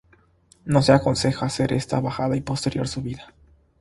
No se aconseja hacer esta bajada, y posterior subida.